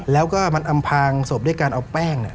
แล้วก็มันอำพางศพด้วยการเอาแป้ง